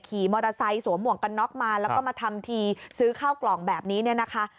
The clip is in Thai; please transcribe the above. ขี่มอเตอร์ไซค์สวมหมวกกันน็อกมาแล้วก็มาทำทีซื้อข้าวกล่องแบบนี้เนี่ยนะคะ